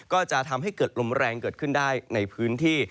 ก็จะทำให้เกิดลมแรงเกิดขึ้นได้ในพื้นที่